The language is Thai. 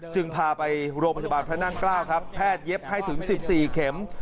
พาไปโรงพยาบาลพระนั่งเกล้าครับแพทย์เย็บให้ถึง๑๔เข็ม